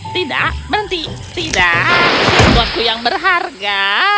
tidak berhenti tidak waktu yang berharga